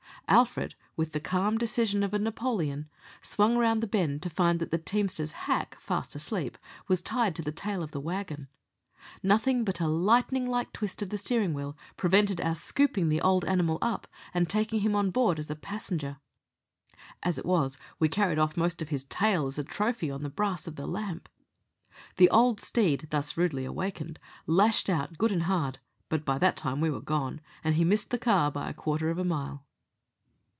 Alfred, with the calm decision of a Napoleon, swung round the bend to find that the teamster's hack, fast asleep, was tied to the tail of the waggon. Nothing but a lightning like twist of the steering wheel prevented our scooping the old animal up, and taking him on board as a passenger. As it was, we carried off most of his tail as a trophy on the brass of the lamp. The old steed, thus rudely awakened, lashed out good and hard, but by that time we were gone, and he missed the car by a quarter of a mile.